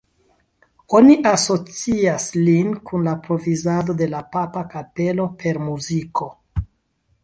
Oni asocias lin kun la provizado de la papa kapelo per muziko.